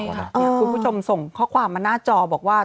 คุณผู้ชมส่งข้อความมาหน้าจอบอกว่า